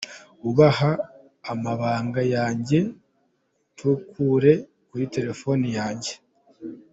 Ubaha amabanga yanjye; ntukore kuri Telefone yanjye.